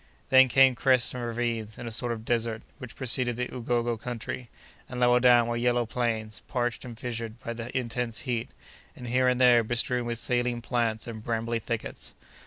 Then came crests and ravines, in a sort of desert which preceded the Ugogo country; and lower down were yellow plains, parched and fissured by the intense heat, and, here and there, bestrewn with saline plants and brambly thickets.